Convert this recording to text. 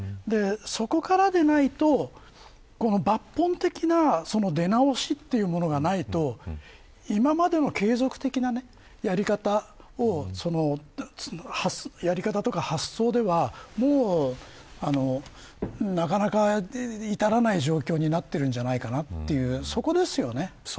そこからでないと抜本的な出直しというものがないと今までの継続的なやり方をやり方とか発想ではもうなかなか至らない状況になっているんじゃないかなという、そこですよね。